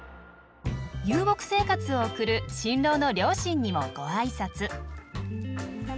遊牧生活を送る新郎の両親にもご挨拶。